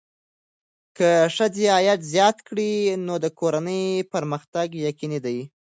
که ښځه عاید زیات کړي، نو د کورنۍ پرمختګ یقیني دی.